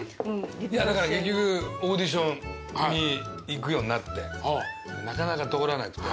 いやだから結局オーディションに行くようになってなかなか通らなくて。